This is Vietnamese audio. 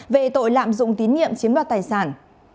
về tội lạm dụng tín nhiệm chiếm đoạt tài sản